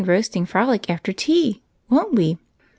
roasting frolic after tea, won't we?"